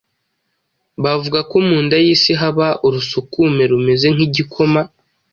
bavuga ko mu nda y’isi haba urusukume rumeze nk’igikoma